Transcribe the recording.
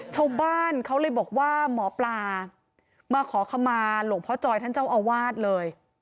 ชาวบ้านเขาเลยบอกว่าหมอปลามาขอขมาหลวงพ่อจอยท่านเจ้าอาวาสเลย